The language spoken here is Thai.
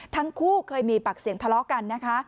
ทั้งคู่เคยมีปากเสียงทะเลาะกันนะคะ